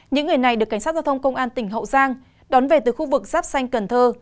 những người này được cảnh sát giao thông công an tỉnh hậu giang đón về từ khu vực giáp xanh cần thơ